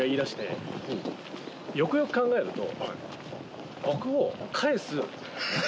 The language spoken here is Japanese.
よくよく考えると。